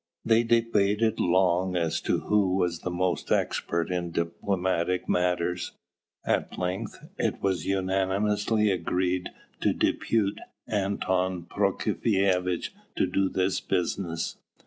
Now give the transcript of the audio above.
They debated long as to who was the most expert in diplomatic matters. At length it was unanimously agreed to depute Anton Prokofievitch to do this business.